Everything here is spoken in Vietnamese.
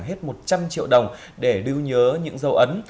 hết một trăm linh triệu đồng để đưa nhớ những dâu ấn